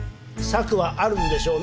策はあるんでしょうね？